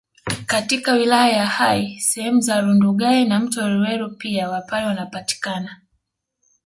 Katika wilaya ya Hai sehemu za Rundugai na mto Weruweru pia wapare wanapatikana